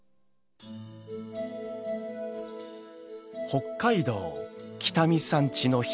北海道北見山地の東。